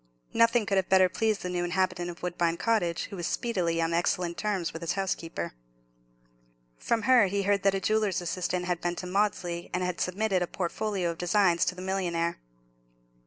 Nothing could have better pleased the new inhabitant of Woodbine Cottage, who was speedily on excellent terms with his housekeeper. From her he heard that a jeweller's assistant had been to Maudesley, and had submitted a portfolio of designs to the millionaire.